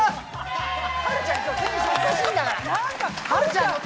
華ちゃん今日テンションおかしいんだから。